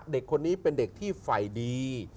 เด็กคนนี้เป็นเด็กที่ฝ่ายดี